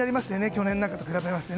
去年なんかと比べまして。